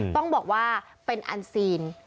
ต้องบอกว่าเป็นอันซีน